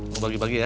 mau bagi bagi ya